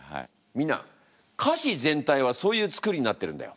みんな歌詞全体はそういう作りになってるんだよ。